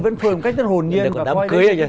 vẫn phơi một cách rất hồn nhiên người ta còn đám cưới